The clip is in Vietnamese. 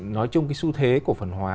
nói chung cái xu thế cổ phần hóa